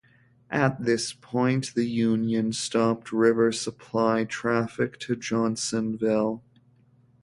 At this point, the Union stopped river supply traffic to Johnsonville.